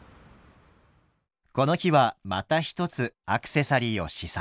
この日はまた一つアクセサリーを試作。